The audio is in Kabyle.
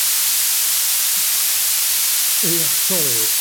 Ay axeṣṣaṛ-iw!